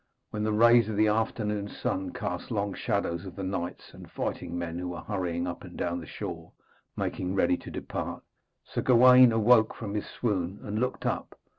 When the rays of the afternoon sun cast long shadows of the knights and fighting men who were hurrying up and down the shore making ready to depart, Sir Gawaine awoke from his swoon and looked up.